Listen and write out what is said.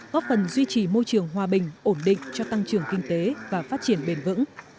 góp phần duy trì môi trường hòa bình ổn định cho tăng trưởng kinh tế và phát triển bền vững